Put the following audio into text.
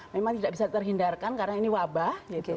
memang tidak bisa terhindarkan karena ini wabah